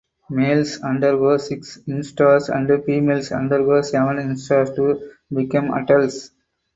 Males undergo six instars and females undergo seven instars to become adults.